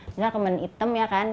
misalnya kemben item ya kan